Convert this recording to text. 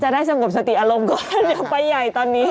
จะได้สมบัติสติอารมณ์ก่อนยังไปใหญ่ตอนนี้